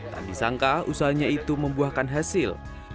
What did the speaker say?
tadi sangka usahanya itu membuahkan hasil